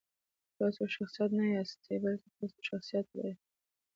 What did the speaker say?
تاسو شخصیت نه یاستئ، بلکې تاسو شخصیت لرئ.